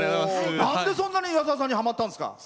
なんでそんなに矢沢さんにはまったんですか？